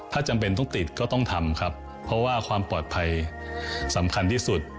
ถ้าจำเป็นต้องติดก็ต้องทำครับเพราะว่าความปลอดภัยสำคัญที่สุด